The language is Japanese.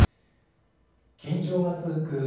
緊張が続く